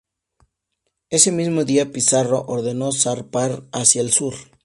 Ese mismo día, Pizarro ordenó zarpar hacia el sur.